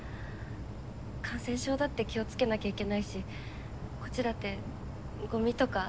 感染症だって気を付けなきゃいけないしこっちだってゴミとかあさられたりとかしたらさ。